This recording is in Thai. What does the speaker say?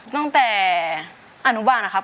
ตั้งแต่อนุบาลนะครับ